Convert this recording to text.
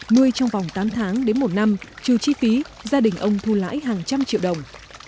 nuôi trong vòng tám tháng đến một năm trừ chi phí gia đình ông thu lãi hàng trăm triệu đồng